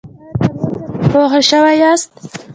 ایا تر اوسه بې هوښه شوي یاست؟